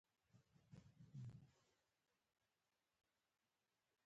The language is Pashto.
څنګه کولی شم د ماشومانو لپاره د باغدارۍ لوبې وکړم